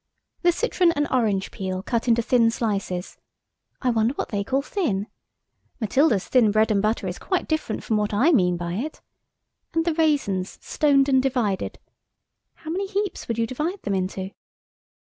"'The citron and orange peel cut into thin slices'–I wonder what they call thin? Matilda's thin bread and butter is quite different from what I mean by it–'and the raisins stoned and divided.' How many heaps would you divide them into?"